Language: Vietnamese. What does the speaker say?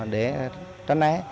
để tránh né